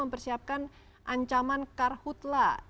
menyiapkan ancaman karhutlah